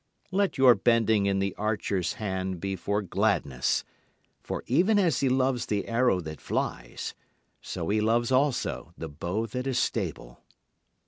Let your bending in the Archer's hand be for gladness; For even as he loves the arrow that flies, so He loves also the bow that is stable.